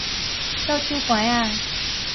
倒手枴仔